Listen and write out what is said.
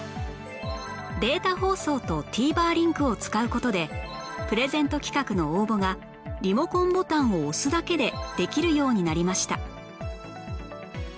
データ放送と ＴＶｅｒ リンクを使う事でプレゼント企画の応募がリモコンボタンを押すだけでできるようになりました